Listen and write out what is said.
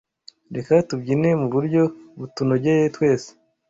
Reka tubyine muburyo butunogeye twese